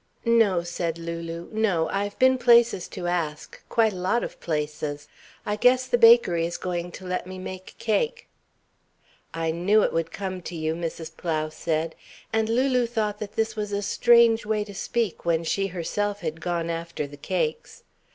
"No," said Lulu, "no. I've been places to ask quite a lot of places. I guess the bakery is going to let me make cake." "I knew it would come to you," Mrs. Plow said, and Lulu thought that this was a strange way to speak, when she herself had gone after the cakes.